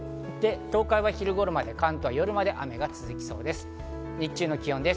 東海は昼頃まで、関東は夜まで雨が続きそうです。